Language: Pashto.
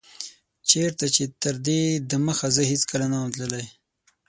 چيرته چي تر دي دمخه زه هيڅکله نه وم تللی